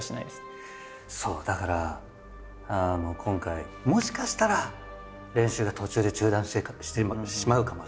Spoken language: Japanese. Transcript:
そうだから今回もしかしたら練習が途中で中断してしまうかもしれない。